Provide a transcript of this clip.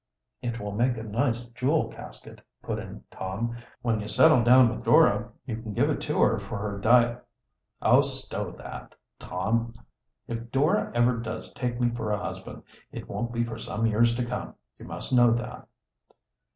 "It will make a nice jewel casket," put in Tom. "When you settle down with Dora, you can give if to her for her dia " "Oh, stow that, Tom! If Dora ever does take me for a husband, it won't be for some years to come, you must know that."